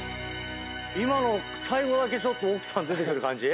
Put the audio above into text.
今の最後だけちょっと奥さん出てくる感じ？